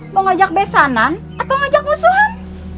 mau ngajak besanan atau ngajak musuhan